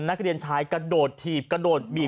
นักเรียนชายกระโดดถีบกระโดดบีบ